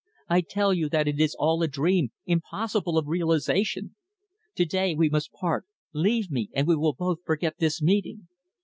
I tell you that it is all a dream impossible of realisation. To day we must part. Leave me, and we will both forget this meeting."